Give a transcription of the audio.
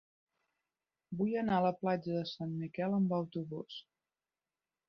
Vull anar a la platja de Sant Miquel amb autobús.